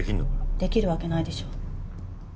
できるわけないでしょ。